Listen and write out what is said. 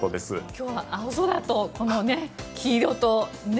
今日は青空とこの黄色とね。